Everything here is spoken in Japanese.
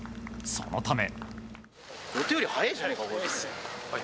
そのため。